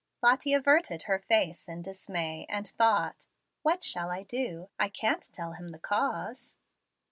Lottie averted her face in dismay, and thought, "What shall I do? I can't tell him the cause."